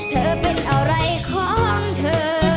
เธอเป็นอะไรของเธอ